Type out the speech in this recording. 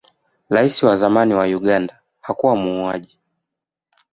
rais wa zamani wa uganda hakuwa muuaji